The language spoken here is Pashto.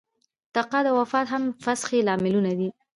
تقاعد او وفات هم د فسخې لاملونه دي.